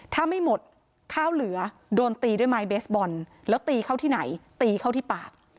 ถ้าไม่หมดข้าวเหลือโดนตีด้วยไม้เบสบอลแล้วตีเข้าที่ไหนตีเข้าที่ปาก